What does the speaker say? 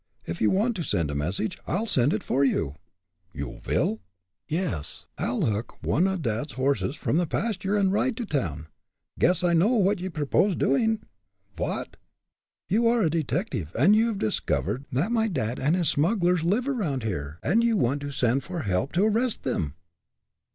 If you want to send a message, I'll send it for you." "You vil?" "Yes. I'll hook one o' dad's horses from the pasture, and ride to town. Guess I know what ye propose doing." "Vot?" "You are a detective, and you have discovered that my dad and his smugglers live around here, and you want to send for help to arrest them!"